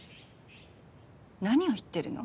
何を言ってるの？